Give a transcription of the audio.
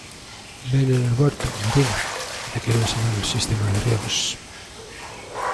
Ven en el huerto, Marina, que te quiero enseñar el sistema de riegos.